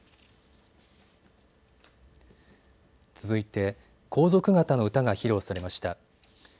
続いて皇族方の歌が披露されました。